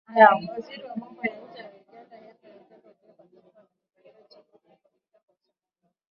Waziri wa Mambo ya Nje wa Uganda Henry Okello Oryem alisema anatarajia uchaguzi utamalizika kwa usalama.